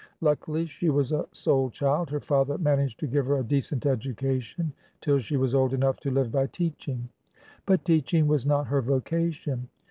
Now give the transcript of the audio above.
Luckily, she was a sole child: her father managed to give her a decent education till she was old enough to live by teaching. But teaching was not her vocation.